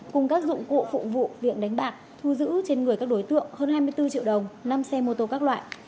cùng các dụng cụ phục vụ viện đánh bạc thu giữ trên người các đối tượng hơn hai mươi bốn triệu đồng năm xe mô tô các loại